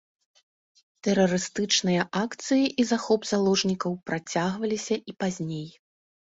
Тэрарыстычныя акцыі і захоп заложнікаў працягваліся і пазней.